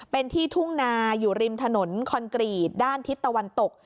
เป็นที่ทุ่งนาอยู่ริมถนนคอนกรีตด้านทิศตะวันตก